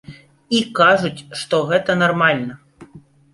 І кажуць, што гэта нармальна.